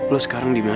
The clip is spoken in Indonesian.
lo sekarang di mana